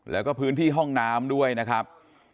แล้วก็พื้นที่ห้องน้ำด้วยนะครับ